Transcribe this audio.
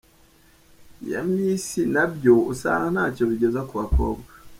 ya Miss nabyo usanga ntacyo bigeza ku bakobwa.